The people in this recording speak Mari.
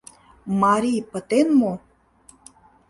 Марий пытен мо!